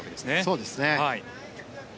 そうですね。